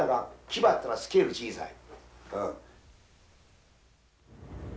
気張ったらスケール小さい。